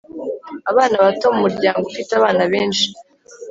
abana bato mu muryango ufite abana benshi